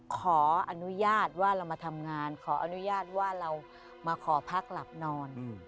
ขออนุญาตว่าเรามาทำงานขออนุญาตว่าเรามาขอพักหลับนอน